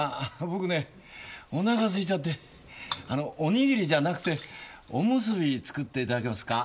僕ねお腹空いちゃって。おにぎりじゃなくておむすび作っていただけますか？